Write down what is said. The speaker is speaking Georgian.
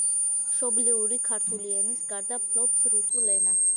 მშობლიური ქართული ენის გარდა ფლობს რუსულ ენას.